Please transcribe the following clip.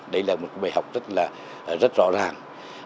đây là một bài học rất rõ ràng